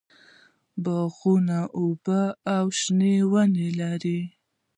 باغونه اوبه او شنه ونې لري.